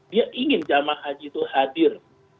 dia ingin jamaah haji itu hadir